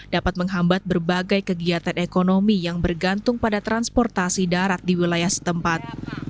dapat menghambat berbagai kegiatan ekonomi yang bergantung pada transportasi darat di wilayah setempat